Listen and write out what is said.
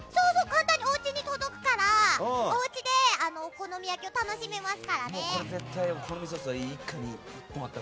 おうちに届くからおうちでお好み焼きを楽しめますからね。